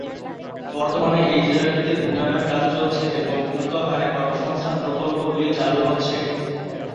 বর্তমানে এই জেলাটিতে উন্নয়নের কাজ চলছে এবং দ্রুত হারে কর্মসংস্থান প্রকল্পগুলি চালু হচ্ছে।